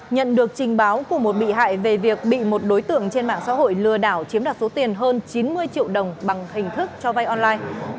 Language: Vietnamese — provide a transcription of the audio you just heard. nhận được trình báo của một bị hại về việc bị một đối tượng trên mạng xã hội lừa đảo chiếm đoạt số tiền hơn chín mươi triệu đồng bằng hình thức cho vay online